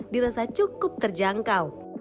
dirasa cukup terjangkau